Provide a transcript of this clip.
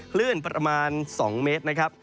คลื่นประมาณ๒เมตรนะครับ